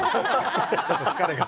ちょっと疲れが。